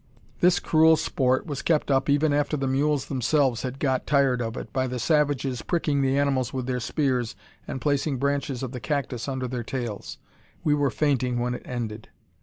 This cruel sport was kept up even after the mules themselves had got tired of it, by the savages pricking the animals with their spears, and placing branches of the cactus under their tails. We were fainting when it ended.